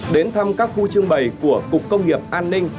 đến thăm các khu trưng bày của cục công nghiệp an ninh